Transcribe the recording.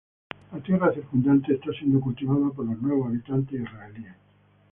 La tierra circundante está siendo cultivada por los nuevos habitantes israelíes.